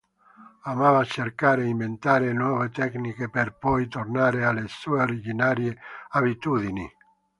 Amava cercare e inventare nuove tecniche per poi tornare alle sue originarie abitudini.